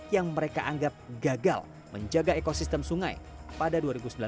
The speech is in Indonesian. yang mereka anggap gagal menjaga ekosistem sungai pada dua ribu sembilan belas